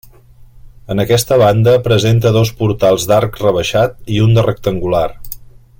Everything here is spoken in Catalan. En aquesta banda presenta dos portals d'arc rebaixat i un de rectangular.